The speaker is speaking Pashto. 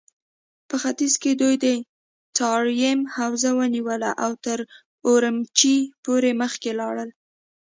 په ختيځ کې دوی د تاريم حوزه ونيوله او تر اورومچي پورې مخکې لاړل.